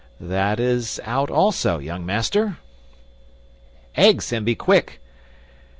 "That is out also, young master." "Eggs, and be quick."